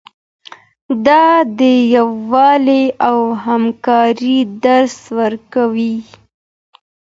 دا د یووالي او همکارۍ درس ورکوي.